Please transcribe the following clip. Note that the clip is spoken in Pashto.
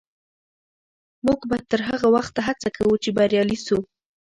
موږ به تر هغه وخته هڅه کوو چې بریالي سو.